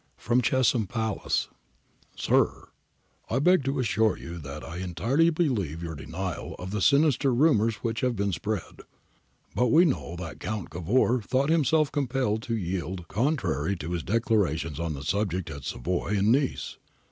From Chesham Place. (Reply to last.) 'Sir, ' I beg to assure you that I entirely believe your denial of the sinister rumours which have been spread. But we know that Count Cavour thought himself compelled to yield con trary to his declarations on the subject at Savoy and Nice.